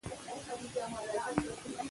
کلتور د افغانستان د هیوادوالو لپاره ویاړ دی.